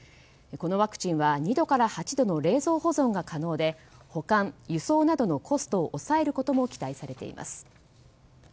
このワクチンは２度から８度の冷蔵保存が可能で保管・輸送などのコストを抑えることも期待されています。